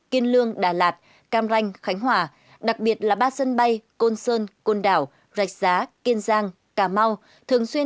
kiên lương đà lạt cam ranh khánh hòa đặc biệt là ba sân bay côn sơn côn đảo rạch giá kiên giang cà mau thường xuyên